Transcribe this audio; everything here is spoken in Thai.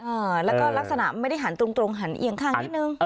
อ่าแล้วก็ลักษณะไม่ได้หันตรงตรงหันเอียงข้างนิดนึง